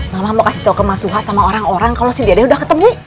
mama mau kasih tau ke mas huha sama orang orang kalau si dia deh udah ketemu